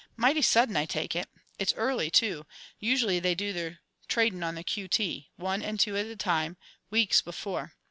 Mighty sudden, I take it. It's early, too. Usually they do their tradin' on the Q.T., one and two at a time, weeks before.